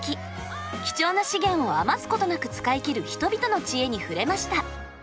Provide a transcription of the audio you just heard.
貴重な資源を余すことなく使い切る人々の知恵に触れました。